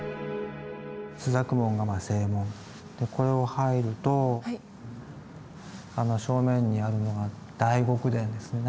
朱雀門が正門でこれを入るとあの正面にあるのが大極殿ですね。